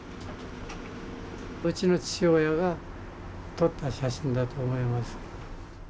うちの父親が撮った写真だと思います。